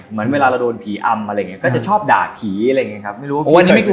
เหมือนเวลาเราโดนผีอำอะไรอย่างนี้ก็จะชอบด่าผีอะไรอย่างนี้ครับไม่รู้